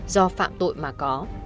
do phạm tội mà có